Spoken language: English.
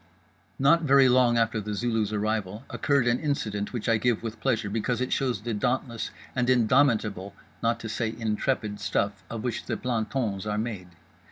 Not very long after The Zulu's arrival occurred an incident which I give with pleasure because it shows the dauntless and indomitable, not to say intrepid, stuff of which plantons are made.